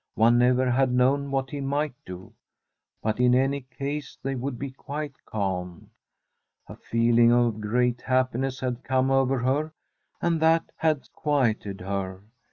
One never had known what he might do. But in any case they would both be quite calm. A feeling of great happiness had come over her, and that had quieted her.